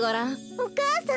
お母さん！